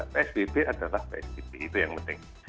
psbb adalah psbb itu yang penting